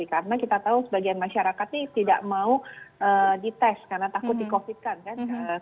karena kita tahu sebagian masyarakat ini tidak mau dites karena takut di covidkan